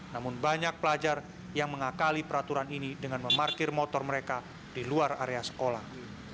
namun banyak pelajar yang mengakali peraturan ini dengan memarkir motor mereka di luar area sekolah